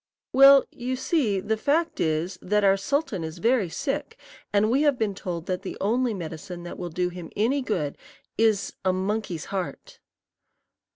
"Well, you see, the fact is that our sultan is very sick, and we have been told that the only medicine that will do him any good is a monkey's heart."